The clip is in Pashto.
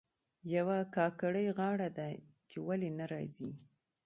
یوه کاکړۍ غاړه ده چې ولې نه راځي.